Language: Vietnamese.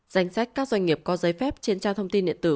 danh sách các doanh nghiệp có giấy phép trên trang thông tin điện tử